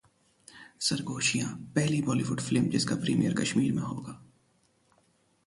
सरगोशियां: पहली बॉलीवुड फिल्म जिसका प्रीमियर कश्मीर में होगा